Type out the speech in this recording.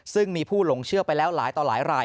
ซึ่งมีผู้หลงเชื่อไปแล้วหลายต่อหลายราย